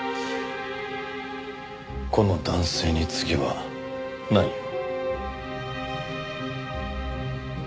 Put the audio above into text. この男性に次は何を？